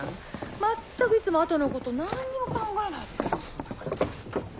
まったくいつも後のこと何にも考えないで。